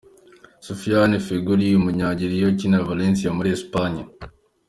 Sofiane Feghouli , umunya Algeliya ukinira Valencia muri Esipanye.